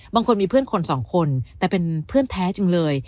มีคนมีเพื่อนคนสองคนแต่เป็นเพื่อนแท้จริงเลย